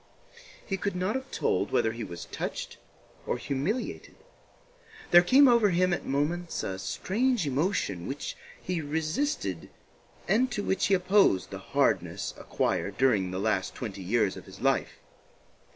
He could not have told whether he was touched or humiliated. There came over him at moments a strange emotion which he resisted and to which he opposed the hardness acquired during the last twenty years of his life.